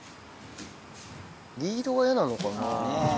リードが嫌なのかな？